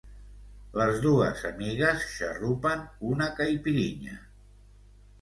Les dues amigues xarrupen una caipirinha.